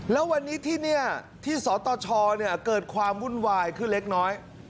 และวันนี้ที่สตชเกิดความวุ่นวายคือเล็กน้อย